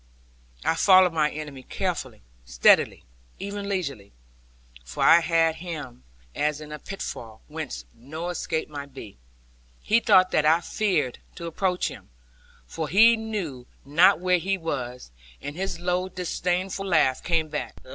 I followed my enemy carefully, steadily, even leisurely; for I had him, as in a pitfall, whence no escape might be. He thought that I feared to approach him, for he knew not where he was: and his low disdainful laugh came back.